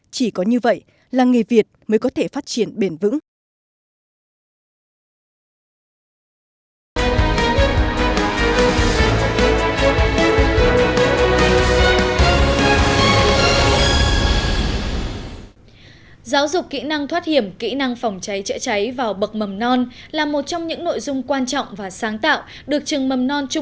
chỉ có như vậy làng nghề việt mới có thể phát triển được